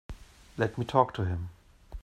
Let me talk to him.